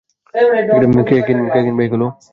কে কিনবে এইগুলা?